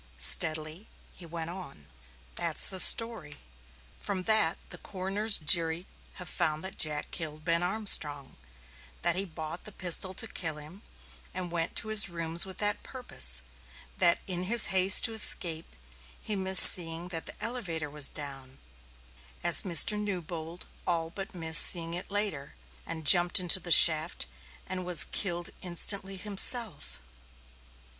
Steadily he went on. "That's the story. From that the coroner's jury have found that Jack killed Ben Armstrong that he bought the pistol to kill him, and went to his rooms with that purpose; that in his haste to escape, he missed seeing that the elevator was down, as Mr. Newbold all but missed seeing it later, and jumped into the shaft and was killed instantly himself.